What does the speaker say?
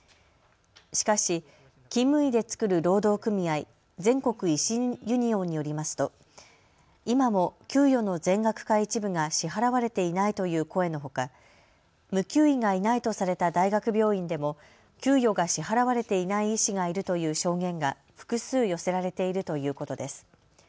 しかし勤務医で作る労働組合、全国医師ユニオンによりますと今も給与の全額か一部が支払われていないという声のほか無給医がいないとされた大学病院でも給与が支払われていない医師がいるという証言が複数寄せられているということです。